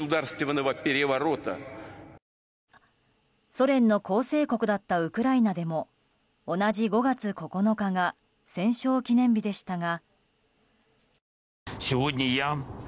ソ連の構成国だったウクライナでも同じ５月９日が戦勝記念日でしたが。